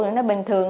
thì nó bình thường